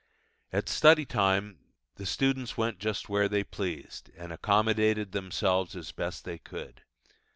At study time the students went just where they pleased, and accommodated themselves as best they could.